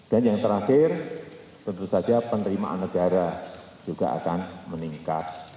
dan yang terakhir tentu saja penerimaan negara juga akan meningkat